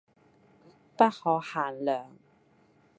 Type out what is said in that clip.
不可限量